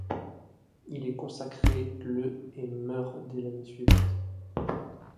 Il est consacré le et meurt dès l’année suivante.